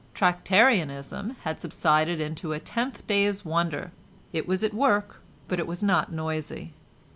Tractarianism had subsided into a tenth day's wonder; it was at work, but it was not noisy.